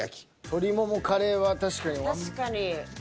鶏ももカレーは確かに。